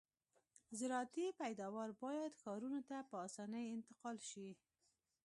زراعتي پیداوار باید ښارونو ته په اسانۍ انتقال شي